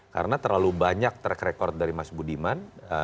karena terlalu banyak track record dari mas budiman